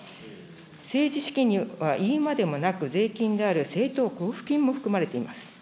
政治資金には言うまでもなく、税金である政党交付金も含まれております。